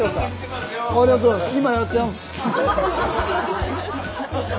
ありがとうございます。